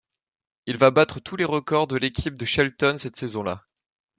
Il va battre tous les records de l'équipe de Shelton cette saison-là.